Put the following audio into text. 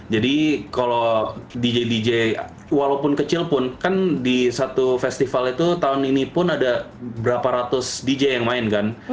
jadi kalau dj dj walaupun kecil pun kan di satu festival itu tahun ini pun ada berapa ratus dj yang main kan